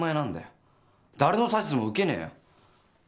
誰の指図も受けねえよ。